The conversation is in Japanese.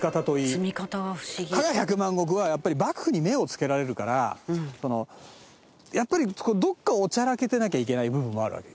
加賀百万石はやっぱり幕府に目を付けられるからやっぱりどっかおちゃらけてなきゃいけない部分もあるわけ。